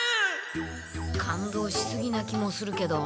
感動しすぎな気もするけど。